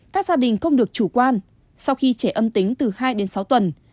các gia đình không được chủ quan sau khi trẻ âm tính từ hai đến sáu tuần